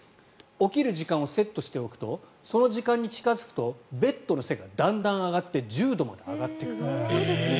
起きる時間をセットしておくとその時間に近付くとベッドの背がだんだん上がって１０度まで上がってくる。